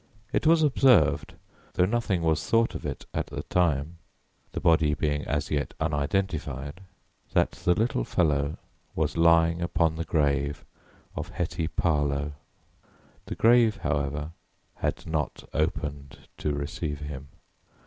It was observed though nothing was thought of it at the time, the body being as yet unidentified that the little fellow was lying upon the grave of Hetty Parlow. The grave, however, had not opened to receive him.